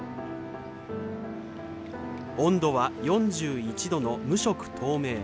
温度は４１度の無色透明。